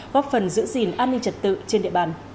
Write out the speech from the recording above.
góp phần giữ gìn an ninh trật tự trên địa bàn